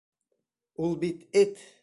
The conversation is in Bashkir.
Ул бит эт!